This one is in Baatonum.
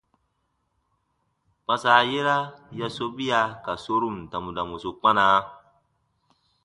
Kpãsa yera ya sobia ka sorun dandansu kpana.